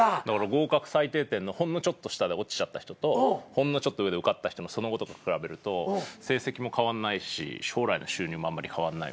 合格最低点のほんのちょっと下で落ちちゃった人とほんのちょっと上で受かった人のその後とか比べると成績も変わんないし将来の収入もあんまり変わんないみたいな。